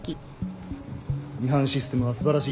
ミハンシステムは素晴らしい。